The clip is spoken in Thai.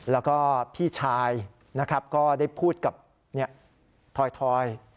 แล้วก็พี่ชายนะครับก็ได้พูดกับถอย